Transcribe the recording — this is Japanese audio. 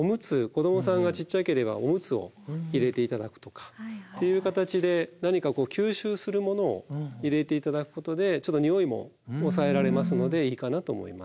子どもさんがちっちゃければおむつを入れて頂くとか。という形で何か吸収するものを入れて頂くことでちょっとにおいも抑えられますのでいいかなと思います。